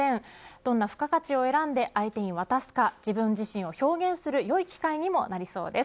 どんな付加価値を選んで相手に渡すか自分自身を表現するよい機会にもなりそうです。